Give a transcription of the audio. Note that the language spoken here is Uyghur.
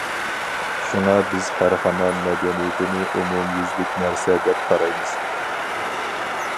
شۇڭا بىز كارخانا مەدەنىيىتىنى ئومۇميۈزلۈك نەرسە دەپ قارايمىز.